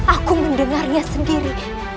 aku mendengarnya sendiri